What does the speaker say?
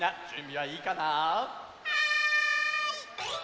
はい！